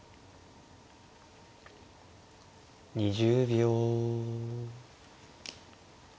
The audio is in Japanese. ２０秒。